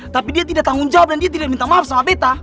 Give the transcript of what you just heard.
tapi dia tidak tanggung jawab dan dia tidak minta maaf sama peta